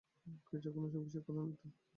কিছু অসুখ-বিসুখ করে নি তো?